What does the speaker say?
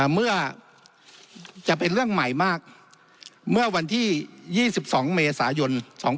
เมื่อจะเป็นเรื่องใหม่มากเมื่อวันที่๒๒เมษายน๒๕๖๒